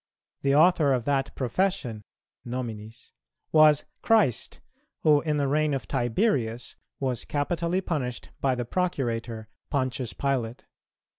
The author of that profession (nominis) was Christ, who, in the reign of Tiberius, was capitally punished by the Procurator, Pontius Pilate.